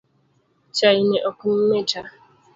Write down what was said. Chai ni ok mita